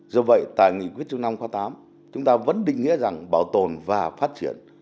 do vậy tại nghị quyết chung năm khoa tám chúng ta vẫn định nghĩa rằng bảo tồn và phát triển